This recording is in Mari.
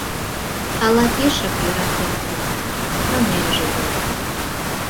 Ала пешак йӧратем да, чонемже йӱла.